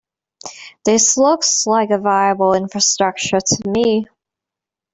This looks like a viable infrastructure to me.